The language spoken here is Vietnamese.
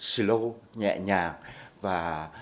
slow nhẹ nhàng và